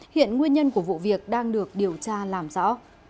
hiện nguyên nhân của vụ việc đang được điều tra làm rõ